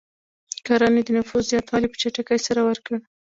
کرنې د نفوس زیاتوالی په چټکۍ سره ورکړ.